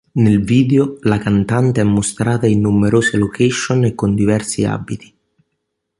Nel video la cantante è mostrata in numerose location e con diversi abiti.